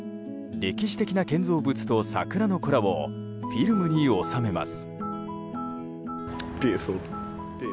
歴史的な建造物と桜のコラボをフィルムに収めます。